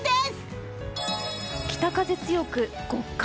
北風強く、極寒。